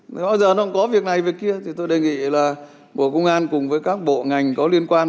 bao giờ nó cũng có việc này việc kia tôi đề nghị là bộ công an cùng với các bộ ngành có liên quan